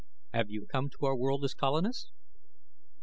"Have you come to our world as colonists?"